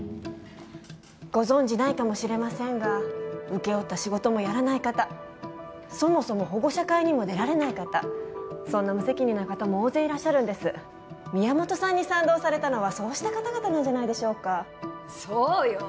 ご存じないかもしれませんが請け負った仕事もやらない方そもそも保護者会にも出られない方そんな無責任な方も大勢いらっしゃるんです宮本さんに賛同されたのはそうした方々じゃないでしょうかそうよ